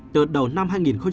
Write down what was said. từ đầu năm hai nghìn một mươi chín